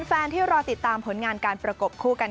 รอที่รอติดตามผลงานการประกบคู่กัน